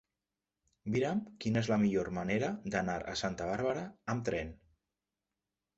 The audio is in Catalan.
Mira'm quina és la millor manera d'anar a Santa Bàrbara amb tren.